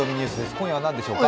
今夜は何でしょうか？